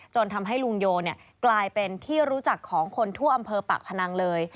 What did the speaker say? ทำให้ลุงโยกลายเป็นที่รู้จักของคนทั่วอำเภอปากพนังเลย